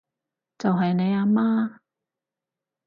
就係你阿媽